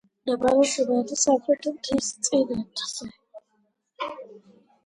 მდებარეობს იმერეთის სამხრეთ მთისწინეთზე.